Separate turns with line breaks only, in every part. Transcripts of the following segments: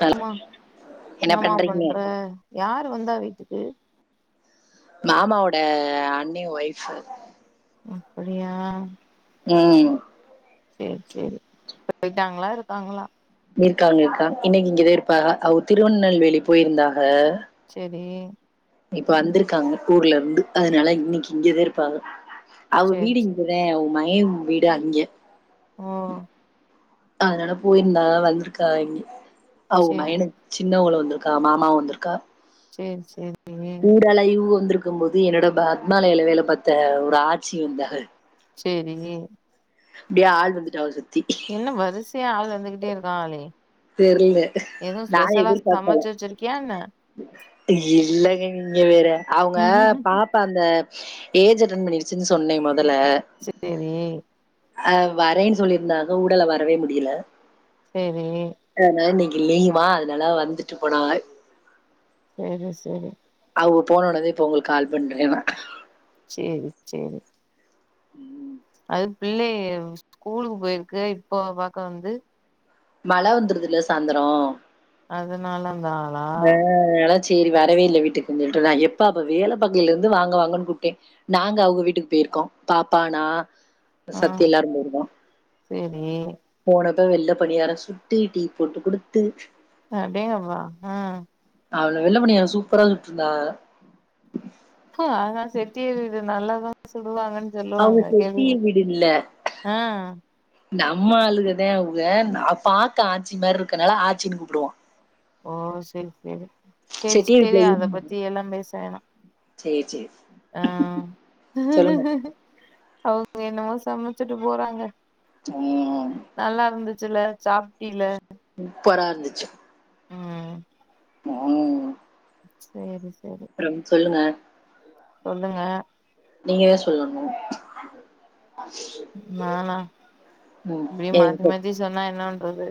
Hello
அம்மா
என்ன
என்னமா
பண்றீங்க
பண்றே யாரு வந்தா வீட்டுக்கு
மாமாவோட அண்ணி ஒய்ஃபு
அப்புடியா
ம்
செரி செரி இப்ப பொயிட்டாங்களா இருக்காங்களா
இருக்காங்க இருக்காங்க இன்னைக்கி இங்கத இருப்பாக அவுங் திருவநெல்வேலி போயிருந்தாக
செரி
இப்ப வந்துருக்காங்க ஊர்ல இருந்து அதுனால இன்னைக்கி இங்கதா இருப்பாக அவுக
சேரி
வீடு
சேரி
இங்கதே அவுக மகே வீடு அங்க
ஓ
அதுனால போயிருந்தாக வந்துருக்காக இங்கே அவுங்க
சேரி
மயனுக் சின்னவுகளு வந்துருக்காக மாமாவு வந்துருக்கா
சேரி சேரி
ஊடாலைவு வந்துருக்கும் போது என்னோட ப அத்மாலைல வேல பாத்த ஒரு ஆச்சி வந்தாக
செரி நீ
அப்டியே ஆள் வந்துட்டாவ சுத்தி
என்ன வருசையா ஆள் வந்துகிட்டே இருக்காகலே
தெர்ல நா எதிர்பாக்கல
சமைச்சு வச்சிருக்கியா என்ன
இல்லங்க நீங்க வேற அவுங்க பாப் ப்பா அந்த ஏஜ் அட்டன் பண்ணிடுச்சுனு சொன்னே மொதல்ல
செர் தேவி
அ வரேன் சொல்லியிருந்தாக ஊடல்ல வரவே முடியல
செரி
அ அதுனால இன்னிக்கு லீவா அதுனாலா வந்துட்டு போனாக
செரி செரி
அவுக போனோனதா இப்ப ஒங்களுக்கு கால் பண்றே நா
சேரி சேரி
ம்
அது புள்ளைய ஸ்கூலுக்கு போயிருக்குக இப்போ பாக்க வந்து
மழ வந்துர்துல சாந்தரோ
அதுனால தானா
அதுனால சேரி வரவே இல்ல வீட்டுக்குன் சொல்ட்டு நா எப்ப அப்ப வேல பாக்கையலருந்து வாங்க வாங்கன் கூப்டே நாங்க அவுக வீட்டுக்கு பேயிருக்கோ பாப்பா நா சத்தி எல்லாரு போயிருக்கோ
செரி
போனது வெள்ளப் பனியாரோ சுட்டு டீ போட்டு குடுத்து
அடேங்கப்பா அ
அவ்ள வெள்ளப் பனியாரோ சூப்பரா சுட்ருந்தாவ
அ அதா செட்டியார் வீடு நல்லாதா சுடுவாங்கன்
அவங்க
சொல்லுவாங்க
செட்டி
கேள்விப்பட்
வீடு இல்ல.
ஆ
நம்ம ஆளுகதா அவுக நா பாக்க ஆச்சி மாரி ருக்கனால ஆச்சின் கூப்புடுவோ
ஓ செரி செரி செரி
செட்டி வீட்ல
செரி அத பத்தி எல்லா பேச வேணா
சேர் சேர்
ஆ அவுங்க என்னமோ சமச்சிட்டு போறாங்க
ம்
நல்லாருந்துச்சுல சாப்டில
சூப்பரா இருந்துச்சு
ம்
ம்
சேரி செரி
ம் சொல்லுங்க
சொல்லுங்க
நீங்கதா சொல்லணு
நானா
ம்
இப்டி மாத்தி
ஏதோ
மாத்தி சொன்னா என்னா பண்றது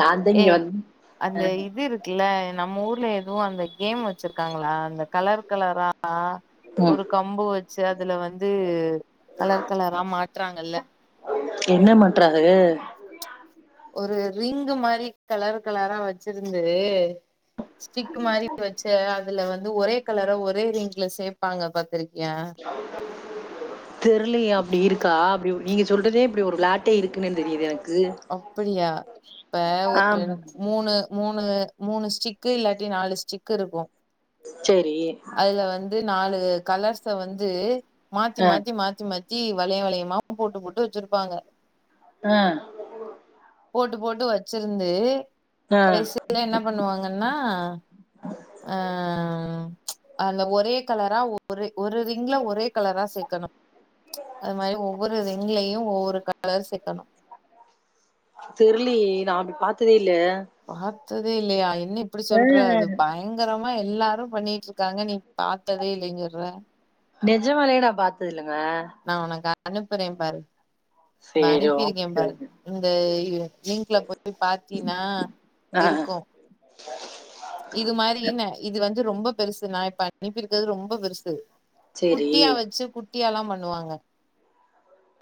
நான்தே இங்க வந் அ
கில்ல நம்ம ஊர்ல எதோ அந்த கேம் வெச்சிருக்காங்களா அந்த கலர் கலரா
ம்
ஒரு கம்பு வெச்சு அதுல வந்து கலர் கலரா மாட்றாங்கல்ல
என்ன மாட்றாகக
ஒரு ரிங்கு மாரி கலர் கலரா வெச்சிருந்து ஸ்டிக்கு மாரி வெச் சு அதுல வந்து ஒரே கலரா ஒரே ரிங்ல சேப்பாங்க பாத்ருக்கியா
[inaudible] தெருலியே அப்டி இருக்கா அப்டி ஒரு நீங்க சொல்றிதே இப்புடி ஒரு விளாட்டே இருக்குன்னு தெரிது எனக்
அப்படியா இப்ப ஒரு
ஆமா
மூணு மூணு மூணு ஸ்டிக்கு இல்லாட்டி நாலு ஸ்டிக்கிருக்கு
செரி
அதுல வந்து நாலு கலர்ஸ வந்து மாத்தி
ஆ
மாத்தி மாத்தி மாத் தி வளய வளயமா போட்டு போட்டு வெச்சிருப்பாங்க
ஆ
போட்டு போட்டு வச்சிருந்து
ஆ
கடைசியில என்ன பண்ணுவாங்கன்னா ஆ அந்த ஒரே கலரா ஒரு ஒரு ரிங்ல ஒரே கலரா சேக்கணு அது மாரி ஒவ்வொரு ரிங்லயு ஒவ்வொரு கலரா சேக்கணு
தெர்லியே நா அப்டி பாத்ததே இல்ல
பாத்ததே இல்லயா என்ன இப்படி சொல்ற அது
ஆ
பய ங்கரமா எல்லாரு பண்ணிட்ருக்காங்க நீ பாத்ததே இல்லேங்கிற
நெஜமாலயே நா பாத்தது இல்லங்க
நா உனக்கு அனுப்புறே பாரு
சேரி
அனுப்பிருக்கே
ஓகே
பாரு
ஓகே
இந்த லிங்க்ல போய் பாத்தீனா
ஆ
இருக்கு
[inaudible]
இது மாரி ந இது வந்து ரொம்ப பெருசு நா இப்ப அனுப்பி இருக்கிறது ரொம்ப பெருசு
சேரி
குட்டியா வச்சு குட்டியால்லா பண்ணுவாங்க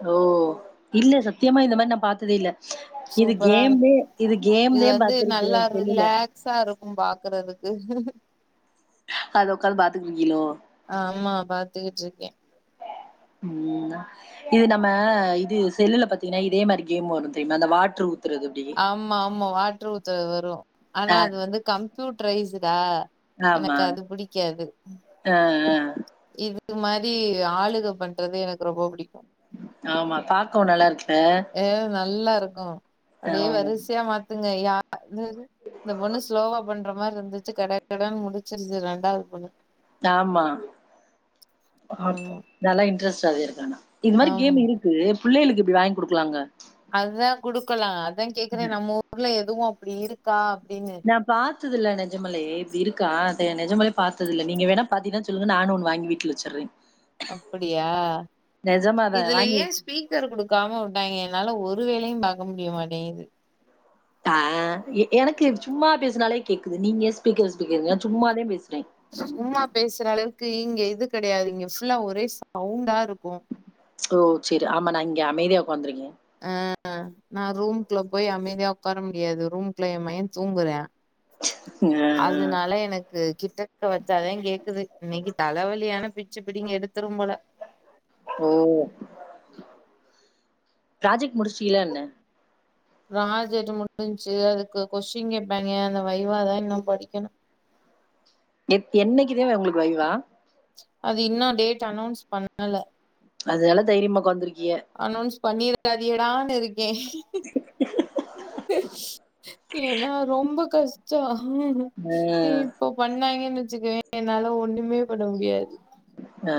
ஓ இல்ல சத்தியமா இந்த மாரி நா பாத்ததே இல்ல இது
சூப்பரா இரு
கேம்மே இது கேம்தே பாத்திருக்கே செல்லுல
புதுசா இருக்கு பாக்குறதுக்கு
அத ஒக்காது பாத்துட்டு இருக்கிளோ
ஆமா பாத்துகிட்டு இருக்கே
ம் ஆ இது நம்ம இது செல்லுல பாத் தீனா இதே மாரி கேம் வரு தெரிமா அந்த வாட்ரு ஊத்துறது அப்டி
ஆமா ஆமா வாட்ரு ஊத்துறது வரு ஆனா
ஆ
அது வந்து கம்ப்யூட் ரைஸ்டா எனக்கு அது பிடிக்காது
அ அ அ
இது மாரி ஆளுக பண்றது எனக்கு ரொம்ப பிடிக்கு
ஆமா பாக்கவு நல்லாருக்குல
அ நல்லா இருக்கோ அப்டியே
ஆமா
வரிசையா மாத்துங்க யார் இந்தரு இந்த பொண்ணு ஸ்லோவா பண்ற மாரி இருந்துச்சு கட கடனு முடிச்சிருச்சு ரெண்டாவது பொண்ணு
ஆமா
ஆமா
நல்லா இன்ட்ரெஸ்ட் இருக்கா இது மாரி
ஆமா
கேம் இருக் கு புள்ளைளுக்கு இப்டி வாங்கி குடுக்கலாங்க
அதுதா குடுக்கலா அதா கேக்குறே நம்ம ஊர்ல எதுவு அப்டி இருக்கா அப்டின்னு
நா பாத்ததுல்ல நெஜமலே இப்டி இருக்கா நெஜமாலே பாத்தது இல்ல நீங்க வேணா பாத்தீனா சொல்லுங்க நானு ஒன்னு வாங்கி வீட்ல வச்சுறே
அப்படியா
நெஜமாதா
இதுல
வாங்கி
ஏஸ் ஸ்பீக்கர் குடுக்காம விட்டாய்ங்க என்னால ஒரு வேலையு பாக்க முடிய மாட்டேங்குது
அ எனக்கு சும்மா பேசினாலே கேக்குது நீங்க ஸ்பீ்க்கர் ஸ்பீக்கர்ங்க சும்மாதே பேசுறே
சும்மா பேசுற அளவுக்கு இங்க இது கெடையாது இங்க ஃபுல்லா ஒரே சவுண்டா இருக்கு
ஓ சேரி ஆமா நா இங்க அமைதியா உக்காந்துருக்கே
அ நா ரூம்குள்ள போய் அமைதியா உக்கார முடியாது ரூம்குள்ள ஏ மகே தூங்குறா
ஆ
அதுனால எனக்கு கிட்ட க்க வச்சாதே கேக்குது இன்னிக்கு தலவலியான பிச்சு பிடிங்கி எடுத்திரு போல
ஓ ப்ராஜெக்ட் முடிச்சிடிளா என்ன
ப்ராஜெக்ட் முடிஞ்ச்சு அதுக்கு கொஷ்டின் கேப்பாய்ங்க அந்த வைவாதா இன்னு படிக்கணு
எத் என்னிக்கு தே உங்களுக்கு வைவா
அது இன்னு டேட் அனௌன்ஸ் பண்ணல
அதனால தைரியமா ஒக்காந்துருக்கீய
அனௌன்ஸ் பண்ணிராதியடான்னு இருக் க ஏன்னா ரொம்ப கஷ் டோ
ஆ
இப்போ பண்ணாய்ங்கன் வச்சுக்கய என்னால ஒண்ணுமே பண்ண முடியாது
அ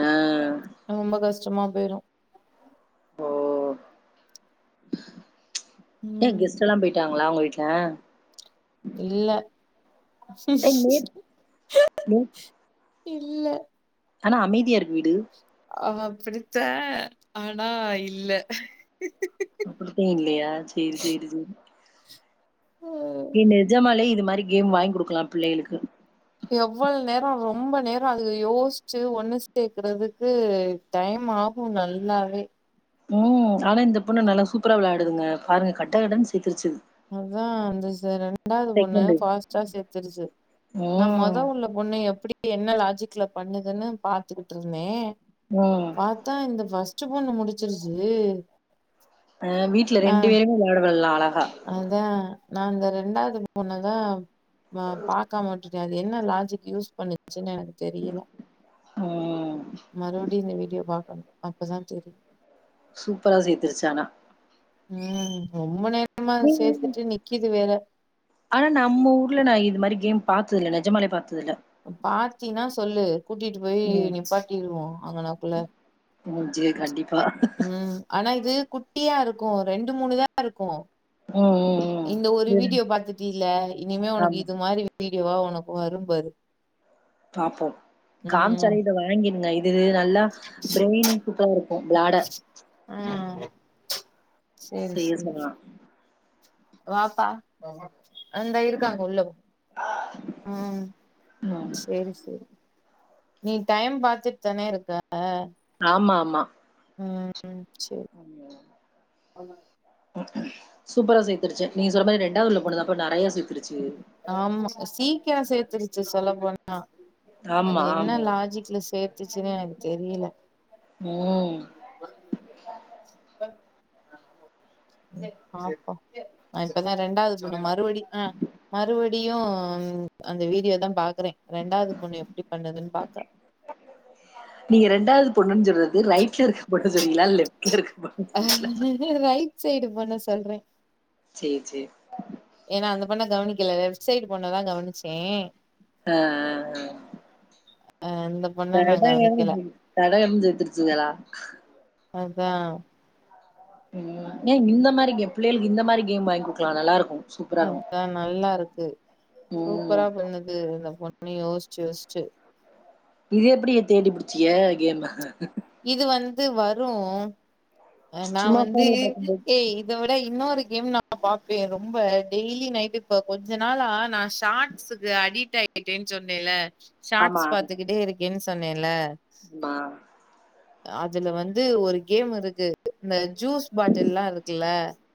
ரொம்ப கஷ்டமா போய்ரு
ஓ ஏ
ம்
கெஸ்ட் எல்லா பேய்ட்டாங்களா உங்க வீட்ல
இல்ல
ஏ நேத் நேத்
இல்ல
ஆனா அமைதியா இருக்கு வீடு
ஆனா அப்படித்த ஆனா இல்ல
அப்படித்தே இல்லையா சேரி சேரி சேரி ஏ நெஜமாலே இது மாரி கேம் வாங்கி குடுக்கலா பிள்ளைகளுக்கு
எவ்வளோ நேரோ ரொம்ப நேரோ அதுக யோசிச்சு ஒன்னுச் சேக்குறதுக்கு டைம் ஆகு நல்லாவே
ம் ஆனா இந்த பொண்ணு நல்லா சூப்பரா விளையாடுதுங்க பாருங்க கட்ட கடன்னு சேத்திருச்சு
அதா அந்த ச ரெண்டாவது பொண்ணு ஃபாஸ்டா சேத்துருச்சு நா
ம்.
மொத உள்ள பொண்ணு எப்டி என்ன லாஜிக்ல பண்ணுதுன்னு பாத்துக்கிட்டு இருந்தே
ம்
பாத்தா இந்த பஸ்ட்டு பொண்ணு முடிச்சிருச்சு
அ வீட்டுல
ஆ
ரெண்டு பேருமே விளையாடுவாலு அழகா
அதா நா இந்த ரெண்டாவது பொண்ண தா நா பாக் காம உட்டுடே அது என்ன லஜிக் யூஸ் பண்ணுச்சுன்னு எனக்கு தெரியல
ம்.
மறுபடியு இந்த வீடியோ பாக்கணு அப்பதா தெரியு
சூப்பரா சேத்துருச்சு ஆனா
ம் ரொம்ப நேரமா
ம்.
சேத்துட்டு நிக்குது வேற
ஆனா நம்ம ஊர்ல நா இது மாரி கேம் பாத்ததுல்ல நெஜமாலே பாத்ததுல்ல
பாத்தீனா சொல்லு கூட்டிட்டு போயி
ம்.
நிப்பாட்டிடுவோ அங்கனக்குள்ள
ம் சேரி கண்டிப்பா
ம் ஆனா இது குட்டியா இருக்கு ரெண்டு மூணு தா இருக்கு
ம் ம் ம்
இந்த ஒரு
ம்.
வீடியோ பாத்துட்டில்ல இனிமே உனக்கு
ஆமா.
இது மாரி வீடியோவா உனக்கு வரும்பாரு
பாப்போ காம்ச்சால இத வாங்கிருங்க இது நல்லா பிரெயினு கூப்பளா இருக்கு விளாட
ஆ சேரி
செய்ய
சேரி சேர்
சொன்னா
வாப்பா இந்தா இருக்காங்க உள்ள இரு ம்
ம்
சரி சரி நீ டயம் பாத்துட்டு தானே இருக்க
ஆமா ஆமா
ம் சரி
அமா சூப்பரா சேத்துருச்சு நீ சொல்ற மாரி ரெண்டாவதுள்ள பொண்ணுதாப்ப நெறையா சேத்துருச்சு
ஆமா சீக்கிர சேத்துருச்சு சொல்ல போனா அது
ஆமா
என்ன
ஆமா
லாஜிக்ல சேத்துச்சுன்னே எனக்கு தெரியல
ம்
[inaudible] [inaudible] சரி பாப்போ இப்பதா ரெண்டாவது பொண்ணு மறுபடி ஆ மறுவடியு அந்த வீடியோ தா பாக்குறே ரெண்டாவது பொண்ணு எப்டி பண்ணுதுன்னு பாக்குற
நீங்க ரெண்டாவது பொண்ணுன்னு சொல்றது ரைட்ல இருக்க பொண்ண சொல்லிங்களா லெப்ட்ல இருக்க பொண்ண சொல்லிங்களா
ரைட் சைடு பொண்ண சொல்றே
சேர் சேர்
ஏனா அந்த பொண்ண கவனிக்கல லெப்ட் சைட் பொண்ணதா கவனிச்சே
அ
அ இந்த பொண்ண நா
கரெக்ட்டா
கவனிக்கல
[unintelligible] தட எது சேத்துருச்சுங்களா
அதா
ஏ இந்த மாரி கேம் பிள்ளைளுக்கு இந்த மாரி கேம் வாங்கி குடுக்கலா நல்லாருக்கு
அதா நல்லா இருக்கு சூப்பரா
ம்
பண்ணுது இந்த பொண்ணு யோஸ்ச்சு யோஸ்ச்சு
இது எப்டி தேடி புடிச்சிய கேம
இது வந்து வரும் நா
சும்மா
வந்து
ஃபோன்ல பாக்கும்போது
ஏ இத விட இன்னொரு கேம் நா பாப்பே ரொம்ப டெய்லி நைட் இப்ப கொஞ்ச நாளா நா ஷார்ட் ட்ஸ்க்கு அடிட் ஆயிட்டேன்னு சொன்னேல்ல ஷார்ட்ஸ் பாத்துக்கிட்டே இருக்கேன்னு சொன்னேல
மா
அதுல வந்து ஒரு கேம் இருக்கு இந்த ஜூஸ் பாட்டெல்லா இருக்குல்ல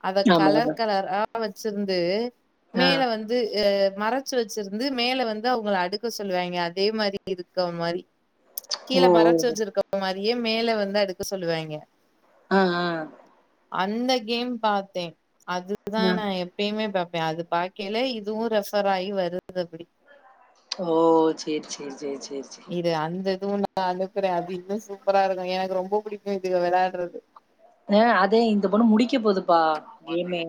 அத
ஆமா.
கலர்
ஆமா.
கலரா வச்சிருந்து
ஆ.
மேல வந் வந்து அ மறச்சு வச்சிருந்து மேல வந்து அவுங்கள அடுக்க சொல்லுவாங்க அதே மாரி இருக்க மாரி கீழ
ஓ!
மறச்சு
ஓ!
வச்சிருக்க மாரியே மேல வந்து அடுக்க சொல்லுவாங்க
ஆ ஆ
அந்த கேம் பாத்தே அதுக்கு தா
ஆ.
நா எப்பயுமே பாப்பே அது பாக்கைல இதுவு ரெஃபர் ஆகி வருது அப்டி
ஓ சேர் சேர் சேர் சேர்
இது அந்த இதுவு நா அனுப்புற அது இதுன்னு சூப்பரா இருக்கு எனக்கு ரொம்ப புடிக்கு இது வெளாடுறது
ஆ அதே இந்த பொண்ணு முடிக்க போதுப்பா கேமே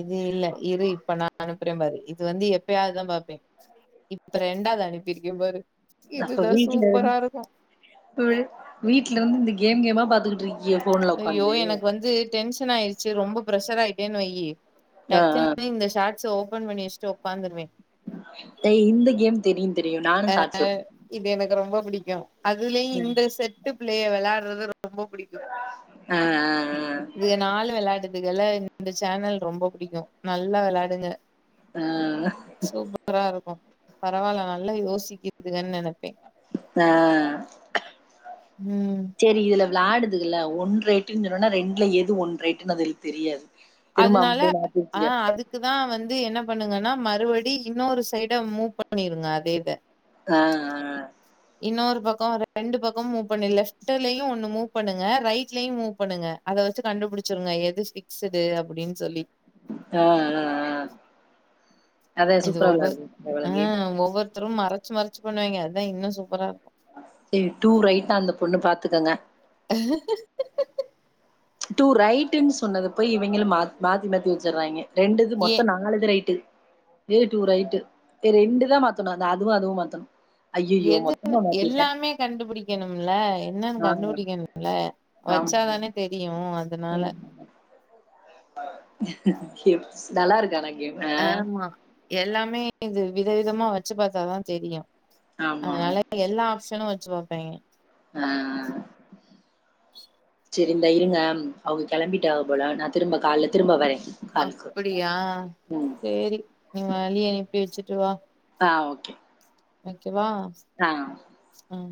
இது இல்ல இரு இப்ப நா அனுப்புற பாரு இது வந்து எப்பயாதுதா பாப்பே இப்ப ரெண்டாவது அனுப்பிருக்க பாரு இதுதா சூப்பரா இருக்கு
தோழி வீட்ல இருந்து இந்த கேம் கேமா பாத்துக்கிட்டு இருக்கிய ஃபோன்ல
ஐயோ
உக்காந்து
எனக்கு வந்து டென்ஷன் ஆயிருச்சு ரொம்ப பிரெஷர் ஆயிட்டேன்னு வைய்
ஆ, ஆ.
டக்குனு இந்த ஷார்ட்ஸ்ச ஓப்பன் பண்ணி வச்சிட்டு உக்காந்துருவே
த இந்த கேம் தெரியு தெரியு நானு சார்ட்ஸ்
இது எனக்கு ரொம்ப பிடிக்கும் அதுலயு இந்த செட்டு பிள்ளைய வெளாட்றது ரொம்ப புடிக்கும்
ஆ,
இதுக நாலு வெளாடுதுக்கல இந்த சேனல் ரொம்ப புடிக்கும் நல்லா வெளாடுங்க
ஆ, ஆ.
சூப்பரா இருக்கும் பரவால்ல நல்லா யோசிக்கதுங்கன்னு நெனப்பே
ஆ
ம்
செரி இதுல வெளாடுதுங்கல்ல ஒன் ரேட்டுன்னு சொன்னனா ரெண்டுல எது ஒன் ரேட்டுன்னு அதுகளு தெரியாது திரும்ப [unintelligible]
அதுக்கு தா வந்து என்ன பண்ணுங்கன்னா மறுபடி இன்னொரு சைட மூவ் பண்ணிருங்க அதே இத
அ அ
இன்னொரு பக்கோ ரெண்டு பக்கோ மூவ் பண்ணு லெஃப்ட்லயு ஒண்ணு மூவ் பண்ணுங்க ரைட்லயு மூவ் பண்ணுங்க அத வச்சு கண்டுபிடிச்சிருங்க எது பிக்ஸடு அப்டின் சொல்லி
ஆ ஆ ஆ அதா சூப்பரா வெளாடு [unintelligible]
ஒவ்வொருத்தரும் மறச்சு மறச்சு பண்ணுவாங்க அதா இன்னு சூப்பரா இருக்கு
சரி டூ ரைட்டா அந்த பொண்ணு பாத்துக்கங்க டூ ரைடுன்னு சொன்னது போய் இவுங்கள மாத் மாத்தி மாத்தி வச்சுறாங்க ரெண்டு இது
ஏ
மொத்த நா நாலுது ரைட்டு ஏ டு ரைட்டு இத ரெண்டு தா மாத்தணு அதுவு அதுவு மாத்தணு
எதுன்னு எல்லாமே கண்டுபிடிக்கணும்ல என்னன்னு
ஆ, ஆமா
கண்டுபிடிக்கணும்ல
ஆமா.
வச்சாதானே தெரியும் அதனால
ம். நல்லா இருக்கு ஆனா கேம்
ஆமா எல்லாமே இது விதவிதமா வச்சு பாத்தாதா தெரியும்
ஆமா ஆமா
அதனால எல்லா ஆப்ஷனும் வச்சு பாப்பாங்க
அ அ ம் செரி இந்தா இருங்க அவங்க கெளம்பிட்டாக போல நான் திரும்ப கால்ல திரும்ப வரேன் காலுக்கு
அப்டியா
ம்
சேரி நீ வழியனுப்பி வச்சுட்டு வா
ஆன் ஓகே
வைக்கவா
ஆன்
ஆன்